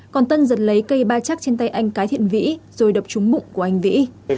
còn tân giật lấy cây ba chắc trên tay anh cái thiện vĩ rồi đập trúng mụng của anh vĩ